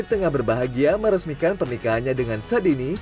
tengah berbahagia meresmikan pernikahannya dengan sadini